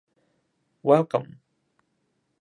Welcome!